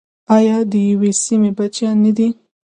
آیا د یوې سیمې بچیان نه دي؟